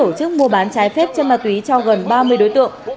hồ thị kim sa đã tổ chức mua bán trái phép chân ma túy cho gần ba mươi đối tượng